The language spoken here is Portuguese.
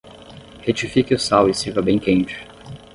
Retifique o sal e sirva bem quente.